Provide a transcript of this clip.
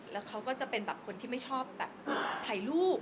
แล้วเขาก็จะเป็นแบบคนที่ไม่ชอบแบบถ่ายรูป